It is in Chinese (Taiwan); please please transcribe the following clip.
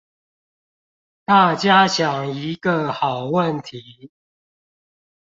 大家想一個好問題